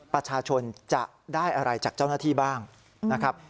ประชาชนจะได้อะไรจากเจ้าหน้าที่บ้างนะครับ